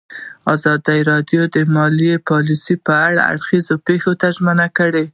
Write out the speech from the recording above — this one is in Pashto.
ازادي راډیو د مالي پالیسي په اړه د هر اړخیز پوښښ ژمنه کړې.